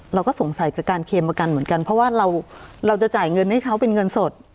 เราก็สงสัยกับการเคลมประกันเหมือนกันเพราะว่าเราจะจ่ายเงินให้เขาเป็นเงินสด